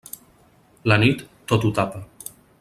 La nit, tot ho tapa.